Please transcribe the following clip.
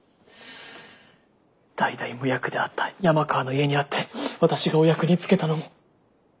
代々無役であった山川の家にあって私がお役につけたのも。